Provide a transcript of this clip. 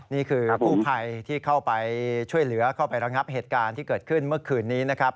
นี่คือกู้ภัยที่เข้าไปช่วยเหลือเข้าไประงับเหตุการณ์ที่เกิดขึ้นเมื่อคืนนี้นะครับ